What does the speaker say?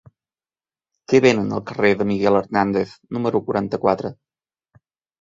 Què venen al carrer de Miguel Hernández número quaranta-quatre?